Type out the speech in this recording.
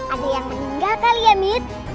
ada yang meninggal kali ya mit